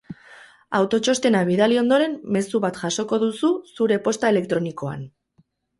Autotxostena bidali ondoren, mezu bat jasoko duzu zure posta elektronikoan.